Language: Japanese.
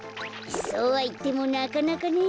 そうはいってもなかなかね。